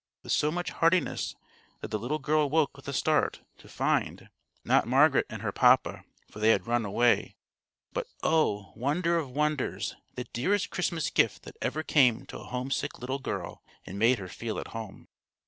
with so much heartiness that the little girl woke with a start to find, not Margaret and her papa, for they had run away, but, oh! wonder of wonders! the dearest Christmas gift that ever came to a homesick little girl, and made her feel at home.